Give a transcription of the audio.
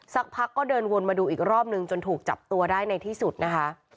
สักพักก็เดินวนมาดูอีกรอบนึงจนถูกจับตัวได้ในที่สุดนะคะ